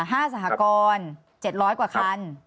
อ๋อค่ะ๕สหกร๗๐๐กว่าคัน